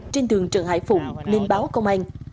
trên đường trần hải phụng lên báo công an